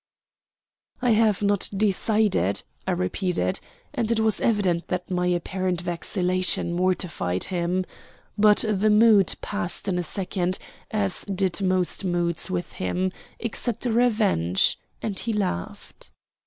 "I have not decided," I repeated; and it was evident that my apparent vacillation mortified him. But the mood passed in a second, as did most moods with him, except revenge, and he laughed.